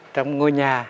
trong ngôi nhà